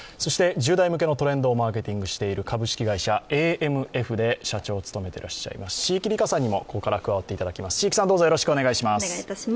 １０代向けのトレンドをマーケティングをしている株式会社ＡＭＦで社長をしていらっしゃいます椎木里佳さんにもここから加わっていただきます。